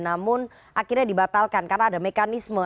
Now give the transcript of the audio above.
namun akhirnya dibatalkan karena ada mekanisme